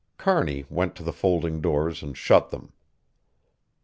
Kearney went to the folding doors and shut them.